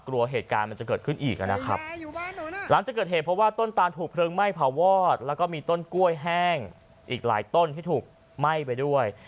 ร้านจะเกิดเหตุเพราะว่าต้นตานถูกเพลิงไหม้เผาวอดแล้วก็มีต้นกล้วยแห้งอีกหลายต้นที่ถูกไหม้ไปด้วย